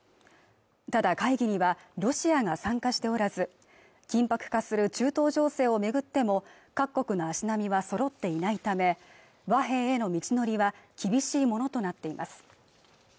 ただ会議にはロシアが参加しておらず緊迫化する中東情勢を巡っても各国の足並みはそろっていないため和平への道のりは厳しいものとなっています